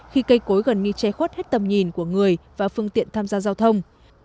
khi cây cối gần như che khuất hết tầm nhìn của người và phương tiện tham gia giao thông